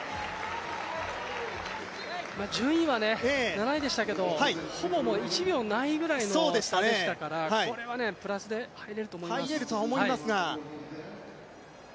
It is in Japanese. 順位は７位でしたけどほぼ１秒ないぐらいの差でしたからこれはプラスで入れると思います。